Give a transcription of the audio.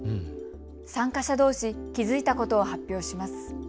参加者どうし、気付いたことを発表します。